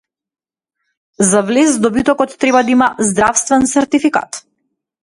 За влез добитокот треба да има здравствен сертификат